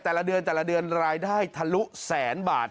แต่ละเดือนแต่ละเดือนรายได้ทะลุแสนบาท